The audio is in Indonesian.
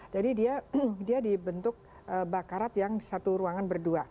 jadi dia dibentuk bakarat yang satu ruangan berdua